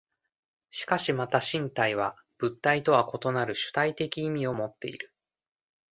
しかしまた身体は物体とは異なる主体的意味をもっている。